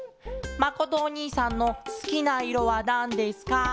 「まことおにいさんのすきないろはなんですか？」。